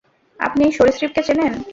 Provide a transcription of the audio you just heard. আপনি এই সরীসৃপকে চেনেন?